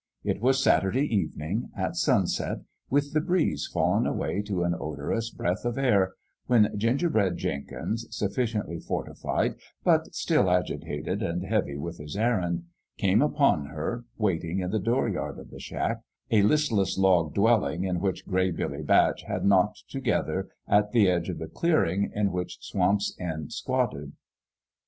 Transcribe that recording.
It was Saturday evening, at sunset, with the breeze fallen away to an odorous breath of air, when Gingerbread Jenkins, sufficiently fortified, but still agitated and heavy with his errand, came upon her, wait ing in the dooryard of the shack, a listless log dwelling which Gray Billy Batch had knocked together at the edge of the clearing in which Swamp's End squatted.